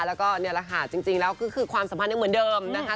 แล้วก็นี่แหละค่ะจริงแล้วก็คือความสัมพันธ์ยังเหมือนเดิมนะคะ